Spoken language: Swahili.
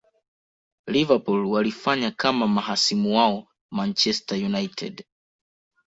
liverpool walifanya kama mahasimu wao manchester united